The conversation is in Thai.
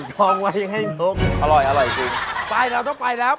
ไปเราต้องไปแล้ว